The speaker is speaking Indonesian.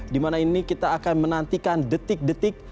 dimana ini kita akan menantikan detik detik